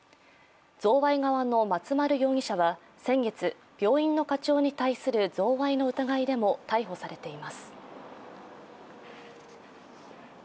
贈賄側の松丸容疑者は先月病院の課長に対する贈賄の疑いでも逮捕されています。